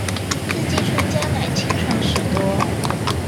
四季春加奶清爽許多